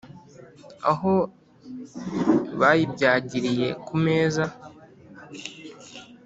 Aho bayibyagiriye ku meza,